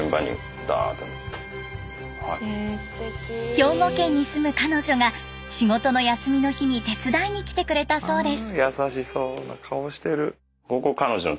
兵庫県に住む彼女が仕事の休みの日に手伝いに来てくれたそうです。